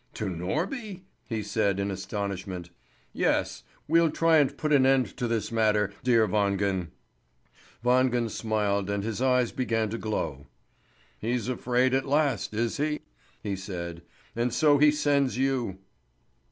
"To Norby?" he said in astonishment. "Yes. We'll try and put an end to this matter, dear Wangen." Wangen smiled and his eyes began to glow. "He's afraid at last, is he?" he said. "And so he sends you."